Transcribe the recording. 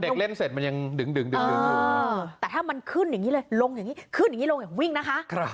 เล่นเสร็จมันยังดึงอยู่แต่ถ้ามันขึ้นอย่างนี้เลยลงอย่างนี้ขึ้นอย่างนี้ลงอย่างวิ่งนะคะ